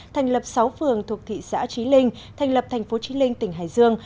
thành lập sáu phường thuộc thị xã trí linh thành lập thành phố trí linh tỉnh hải dương